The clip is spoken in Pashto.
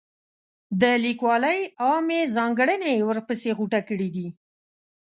د لیکوالۍ عامې ځانګړنې یې ورپسې غوټه کړي دي.